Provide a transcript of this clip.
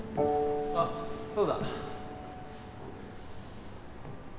あっそうだ。